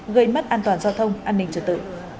gây mất an toàn giao thông an ninh trật tự